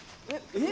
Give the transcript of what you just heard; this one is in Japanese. えっ？